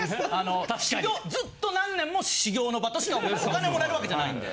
・確かに・ずっと何年も修業の場としかお金もらえるわけじゃないんで。